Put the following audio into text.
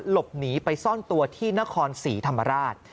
หลบหนีไปซ่อนตัวที่นครศรีธรรมราช